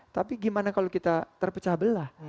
tapi gimana kalau kita terpecah belah